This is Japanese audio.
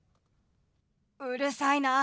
うるさいな！